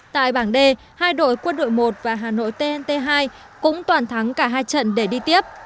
tại bảng d hai đội quân đội một và hà nội tnt hai cũng toàn thắng cả hai trận để đi tiếp